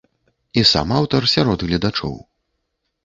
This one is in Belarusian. І сам аўтар сярод гледачоў.